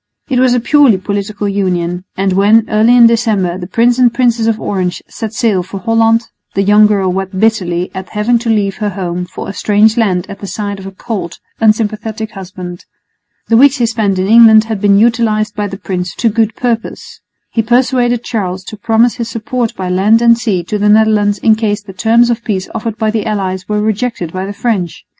It was a purely political union; and when, early in December, the Prince and Princess of Orange set sail for Holland, the young girl wept bitterly at having to leave her home for a strange land at the side of a cold, unsympathetic husband. The weeks he spent in England had been utilised by the prince to good purpose. He persuaded Charles to promise his support by land and sea to the Netherlands in case the terms of peace offered by the allies were rejected by the French.